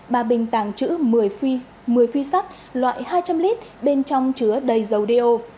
bà bình tàng trữ một mươi phi sắt loại hai trăm linh lít bên trong chứa đầy dầu điêu